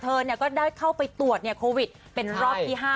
เธอก็ได้เข้าไปตรวจโควิดเป็นรอบที่๕